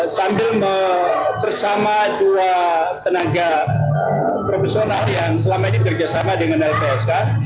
sambil bersama dua tenaga profesional yang selama ini kerjasama dengan lpsk